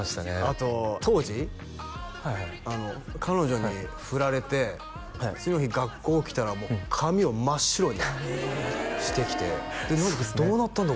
あと当時彼女に振られて次の日学校来たらもう髪を真っ白にしてきてどうなったんだ？